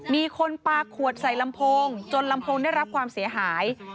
มีคนปลาขวดใส่ลำโพงจนลำโพงได้รับความเสียหาย